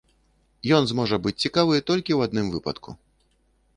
Ён зможа быць цікавы толькі ў адным выпадку.